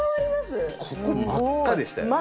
ここ真っ赤でしたよね。